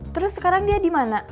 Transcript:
terus sekarang dia dimana